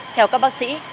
theo các bác sĩ